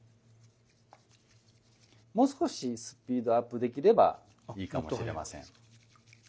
もう少しスピードアップできればいいかもしれません。